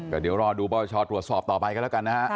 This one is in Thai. ก็เดี๋ยวรอดูปรชตรวจสอบต่อไปกันแล้วกันนะฮะ